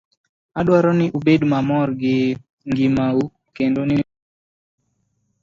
Adwaro ni ubed mamor gi ngimau, kendo ni Ruoth obed kodu.